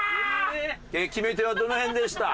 決め手はどの辺でした？